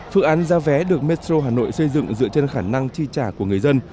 phương án giá vé được metro hà nội xây dựng dựa trên khả năng chi trả của người dân